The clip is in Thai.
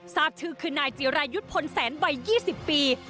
ทราบชื่อคือนายจิรายุทธ์พลแสนวัย๒๐ปี